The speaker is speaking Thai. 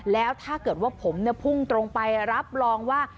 แล้วถ้าเกิดว่าผมพุ่งตรงไปรับรองว่า